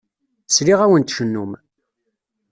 Sliɣ-awen tcennum.